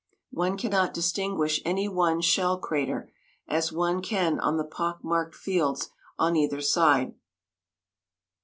One cannot distinguish any one shell crater, as one can on the pockmarked fields on either side.